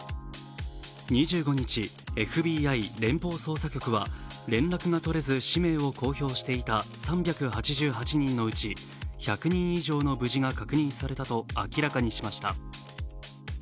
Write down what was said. ２５日、ＦＢＩ＝連邦捜査局は連絡が取れず氏名を公表していた３８８人のうち１００人以上の無事が確認されたと明らかにしました。